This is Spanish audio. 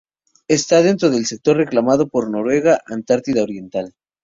Está dentro del sector reclamado por Noruega, Antártida Oriental.